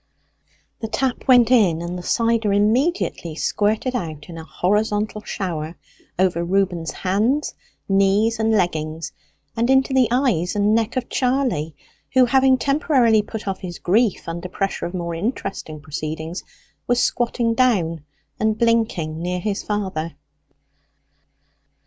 The tap went in, and the cider immediately squirted out in a horizontal shower over Reuben's hands, knees, and leggings, and into the eyes and neck of Charley, who, having temporarily put off his grief under pressure of more interesting proceedings, was squatting down and blinking near his father.